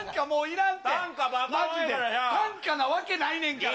たんかなわけないねんから。